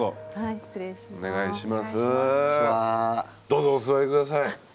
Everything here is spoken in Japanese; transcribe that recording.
どうぞお座り下さい。